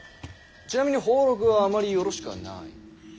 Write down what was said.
ちなみに俸禄はあまりよろしくはない。